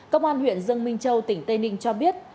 công an huyện dương minh châu tỉnh tây ninh cho biết